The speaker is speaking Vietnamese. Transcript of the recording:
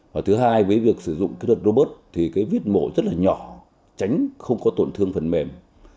và thứ hai với việc sử dụng cái đợt robot thì cái viết mổ rất là nhỏ tránh không có tổn thương phần mềm